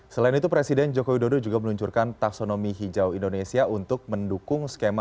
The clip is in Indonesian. selain itu presiden joko widodo juga meluncurkan taksonomi hijau indonesia untuk mendukung skema